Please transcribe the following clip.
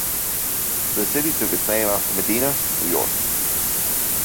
The city took its name after Medina, New York.